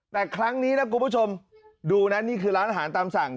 แต่ครั้งนี้นะคุณผู้ชมดูนะนี่คือร้านอาหารตามสั่ง